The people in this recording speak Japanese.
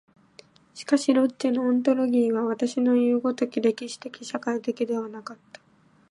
しかしロッチェのオントロギーは私のいう如き歴史的社会的ではなかった。